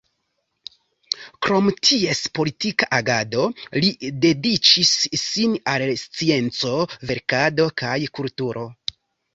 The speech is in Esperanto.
Krom ties politika agado, li dediĉis sin al la scienco, verkado kaj kulturo.